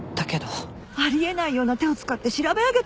あり得ないような手を使って調べ上げたのかも。